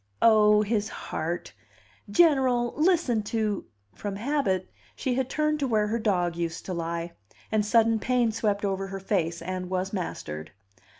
"Oh, his heart! General, listen to " From habit she had turned to where her dog used to lie; and sudden pain swept over her face and was mastered.